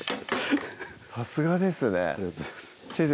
さすがですねありがとうございます先生